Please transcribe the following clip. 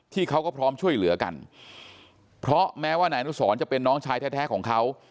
เขาก็พร้อมช่วยเหลือกันเพราะแม้ว่านายอนุสรจะเป็นน้องชายแท้ของเขา